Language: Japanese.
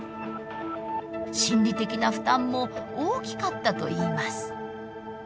心理的な負担も大きかったといいます。